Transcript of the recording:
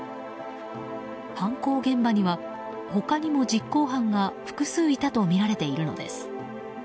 犯行現場には、他にも実行犯が複数いたとみられているのです。